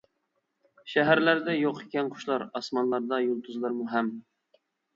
شەھەرلەردە يوق ئىكەن قۇشلار، ئاسمانلاردا يۇلتۇزلارمۇ ھەم.